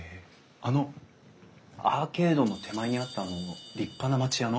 あのアーケードの手前にあったあの立派な町家の？